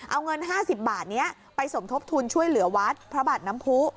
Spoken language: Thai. เอาเงิน๕๐บาทนี้ไปสมทบทุนช่วยเหลือวัดพระบาทน้ำผู้